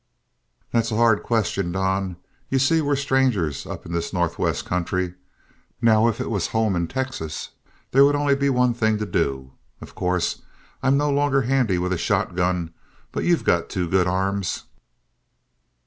"That's a hard question, Don. You see we're strangers up in this Northwest country. Now, if it was home in Texas, there would be only one thing to do. Of course I'm no longer handy with a shotgun, but you've got two good arms."